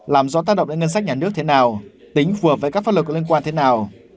làm rõ tác động đến ngân sách nhà nước thế nào tính phù hợp với các pháp lực có liên quan thế nào